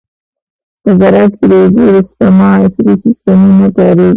په زراعت کې د اوبو د سپما عصري سیستمونه نه کارېږي.